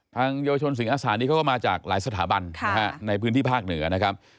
เยาวชนสิงอาสานี้เขาก็มาจากหลายสถาบันในพื้นที่ภาคเหนือนะครับ